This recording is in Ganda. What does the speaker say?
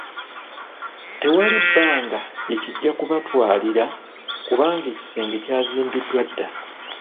Tewali bbanga lye kijja kubatwalira kubanga ekisenge ky'azimbidddwa dda.